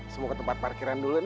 semoga tempat parkiran dulu nih